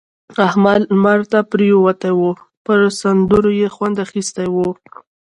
احمد لمر ته پروت وو؛ پر سندرو يې خوند اخيستی وو.